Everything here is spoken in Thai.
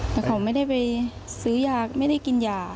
แต่เขาไม่ได้ไปซื้อยาไม่ได้กินยา